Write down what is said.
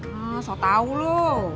hah sok tau lo